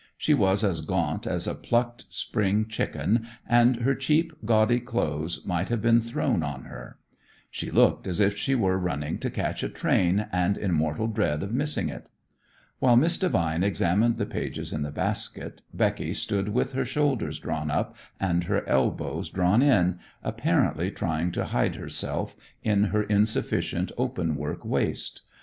She was as gaunt as a plucked spring chicken, and her cheap, gaudy clothes might have been thrown on her. She looked as if she were running to catch a train and in mortal dread of missing it. While Miss Devine examined the pages in the basket, Becky stood with her shoulders drawn up and her elbows drawn in, apparently trying to hide herself in her insufficient open work waist.